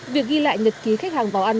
việc ghi lại nhật ký khách hàng vào ăn